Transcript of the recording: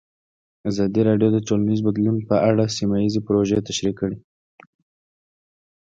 ازادي راډیو د ټولنیز بدلون په اړه سیمه ییزې پروژې تشریح کړې.